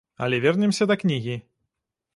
Але вернемся да кнігі.